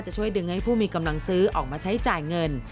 ช่วยดึงให้ผู้มีกำลังซื้อออกมาใช้จ่ายเงิน